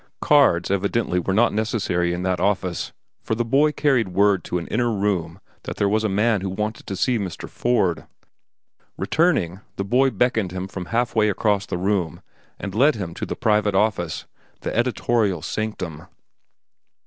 Cards evidently were not necessary in that office, for the boy carried word to an inner room that there was a man who wanted to see Mr. Ford. Returning, the boy beckoned him from halfway across the room and led him to the private office, the editorial sanctum.